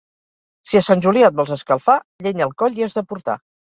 Si a Sant Julià et vols escalfar, llenya al coll hi has de portar.